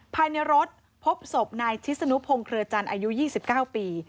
ภายในรถพบศพนายชิสนุพงค์เคลือจันทร์อายุยี่สิบเก้าปี